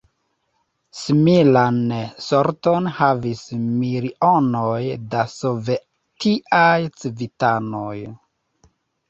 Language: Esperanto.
Similan sorton havis milionoj da sovetiaj civitanoj.